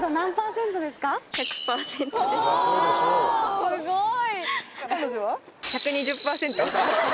おすごい！